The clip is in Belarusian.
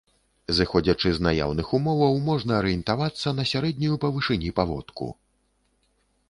Зыходзячы з наяўных умоваў, можна арыентавацца на сярэднюю па вышыні паводку.